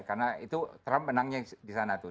karena itu trump menangnya di sana tuh